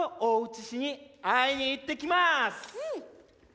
うん！